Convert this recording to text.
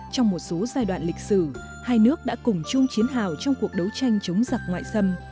trong một số giai đoạn lịch sử hai nước đã cùng chung chiến hào trong cuộc đấu tranh chống giặc ngoại xâm